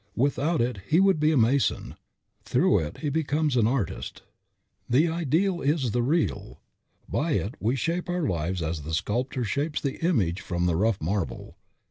Without it he would be a mason; through it he becomes an artist. "The ideal is the real." By it we shape our lives as the sculptor shapes the image from the rough marble.